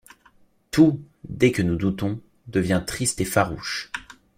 Tout, dès que nous doutons, devient triste et farouche.